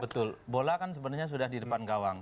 betul bola kan sebenarnya sudah di depan gawang